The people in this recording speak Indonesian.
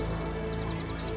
tapi gak punya modal